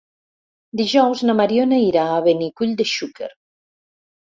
Dijous na Mariona irà a Benicull de Xúquer.